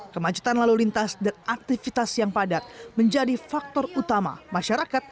kemacetan lalu lintas dan aktivitas yang padat menjadi faktor utama masyarakat